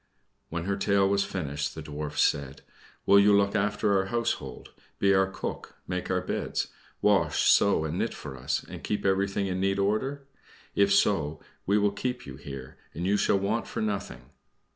When her tale was finished the Dwarfs said, "Will you look after our household be our cook, make the beds, wash, sew, and knit for us, and keep everything in neat order? If so, we will keep you here, and you shall want for nothing."